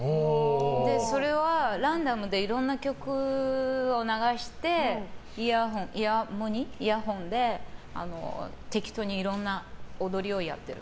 それはランダムでいろんな曲を流してイヤホンで適当にいろんな踊りをやってる。